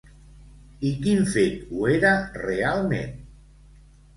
I quin fet ho era realment?